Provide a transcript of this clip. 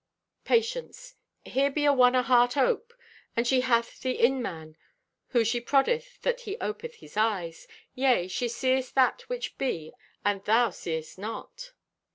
Patience.—"Here be a one aheart ope, and she hath the in man who she proddeth that he opeth his eyes. Yea, she seest that which be and thou seest not."